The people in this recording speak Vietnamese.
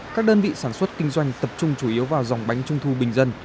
các đơn vị sản xuất kinh doanh tập trung chủ yếu vào dòng bánh trung thu bình dân